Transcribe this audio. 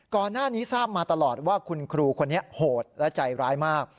ก่อนหน้านี้ทราบมาตลอดว่าคุณครูคนนี้โหดและใจร้ายมาก